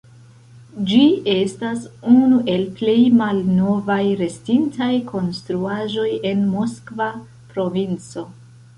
Ĝi estas unu el plej malnovaj restintaj konstruaĵoj en Moskva provinco.